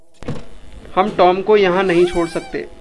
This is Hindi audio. हम टॉम को यहाँ नहीं छोड़ सकते।